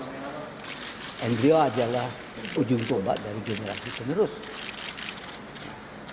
dan beliau adalah ujung tombak dari generasi kemudian